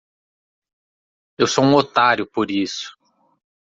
Eu sou um otário por isso.